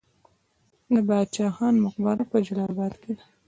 د باچا خان مقبره په جلال اباد کې ده